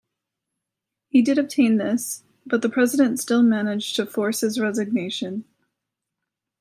He did obtain this, but the President still managed to force his resignation.